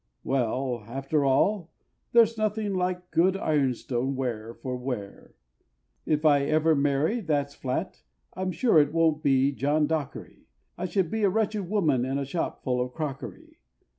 Well, after all, there's nothing like good ironstone ware for wear. If ever I marry, that's flat, I'm sure it won't be John Dockery I should be a wretched woman in a shop full of crockery.